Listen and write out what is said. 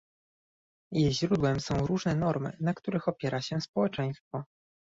Jej źródłem są różne normy, na których opiera się społeczeństwo